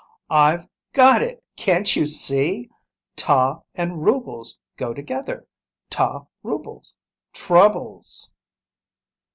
"I've got it! Can't you see? 'Ta' and 'rubles' go together! 'Tarubles.' Troubles!"